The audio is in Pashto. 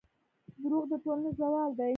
دروغ د ټولنې زوال دی.